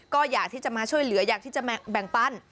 ก็อยากที่จะมาช่วยเหลืออยากที่จะแบ่งปัน